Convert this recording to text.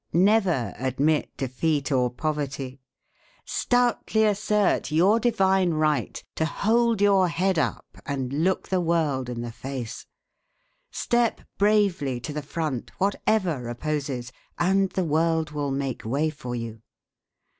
Never admit defeat or poverty. Stoutly assert your divine right to hold your head up and look the world in the face; step bravely to the front whatever opposes, and the world will make way for you.